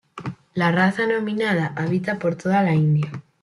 La raza nominada habita por toda la India.